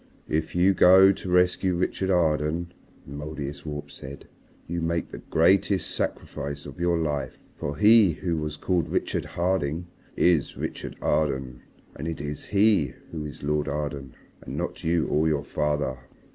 "If you go to rescue Richard Arden," the Mouldiestwarp said, "you make the greatest sacrifice of your life. For he who was called Richard Harding is Richard Arden, and it is he who is Lord Arden and not you or your father.